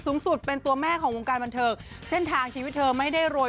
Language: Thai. สูงสุดเป็นตัวแม่ของวงการบันเทิงเส้นทางชีวิตเธอไม่ได้โรย